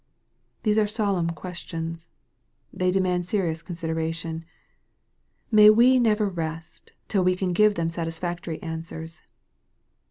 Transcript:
These are solemn questions. They demand serious consideration. May we never rest till we can give them satisfactory answers